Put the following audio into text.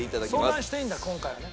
相談していいんだ今回はね。